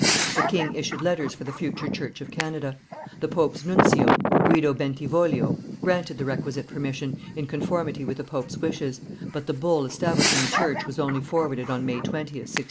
The king issued letters for the future church of Canada. The pope's nuncio, Guido Bentivoglio, granted the requisite permission, in conformity with the pope's wishes, but the bull establishing the church was only forwarded on May 20th, 1615.